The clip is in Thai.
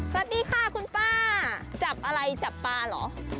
สวัสดีค่ะคุณป้าจับอะไรจับปลาเหรอ